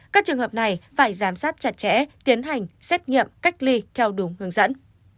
các trường hợp này phải giám sát chặt chẽ tiến hành xét nghiệm cách ly theo đúng hướng dẫn